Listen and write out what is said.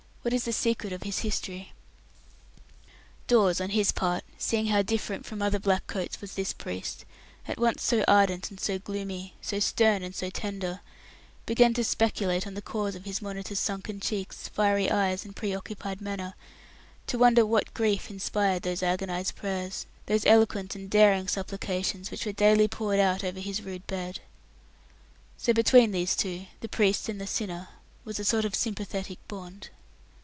"What is the secret of his history?" Dawes, on his part, seeing how different from other black coats was this priest at once so ardent and so gloomy, so stern and so tender began to speculate on the cause of his monitor's sunken cheeks, fiery eyes, and pre occupied manner, to wonder what grief inspired those agonized prayers, those eloquent and daring supplications, which were daily poured out over his rude bed. So between these two the priest and the sinner was a sort of sympathetic bond.